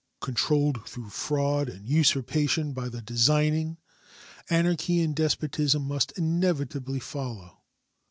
Controlled through fraud and usurpation by the designing, anarchy and despotism must inevitably follow.